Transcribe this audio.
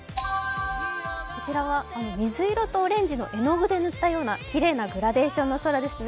こちらは水色とオレンジの絵の具で塗ったようなきれいなグラデーションの空ですね。